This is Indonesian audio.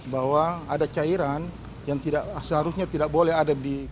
bahwa ada cairan yang seharusnya tidak boleh ada di